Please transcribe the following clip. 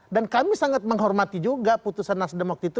dan kami sangat menghormati juga putusan nasdem waktu itu